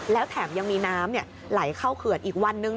แล้วแถมยังมีน้ำไหลเข้าเขื่อนอีกวันนึง